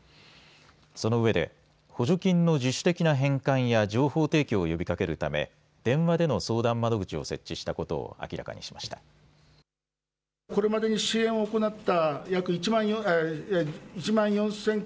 そのうえで補助金の自主的な返還や情報提供を呼びかけるため電話での相談窓口を設置したことを明らかにしました。